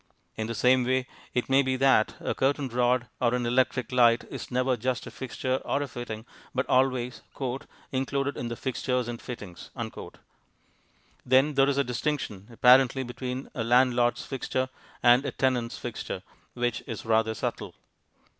In the same way it may be that a curtain rod or an electric light is never just a fixture or a fitting, but always "included in the fixtures and fittings." Then there is a distinction, apparently, between a "landlord's fixture" and a "tenant's fixture," which is rather subtle.